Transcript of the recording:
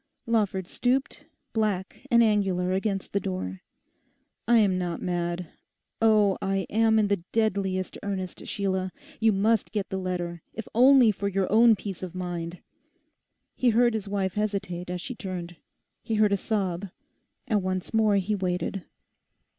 Lawford stooped, black and angular, against the door. 'I am not mad. Oh, I am in the deadliest earnest, Sheila. You must get the letter, if only for your own peace of mind.' He heard his wife hesitate as she turned. He heard a sob. And once more he waited.